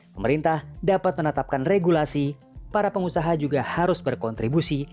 pemerintah dapat menetapkan regulasi para pengusaha juga harus berkontribusi